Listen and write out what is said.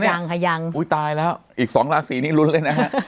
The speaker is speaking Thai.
ยังค่ะยังอุ้ยตายแล้วอีกสองราศีนี้รุ้นเลยนะฮะ